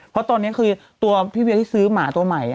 เพราะตอนนี้คือตัวพี่เวียที่ซื้อหมาตัวใหม่